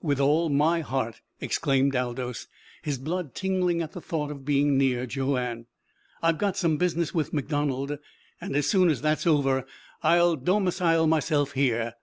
"With all my heart," exclaimed Aldous, his blood tingling at the thought of being near Joanne. "I've got some business with MacDonald and as soon as that's over I'll domicile myself here.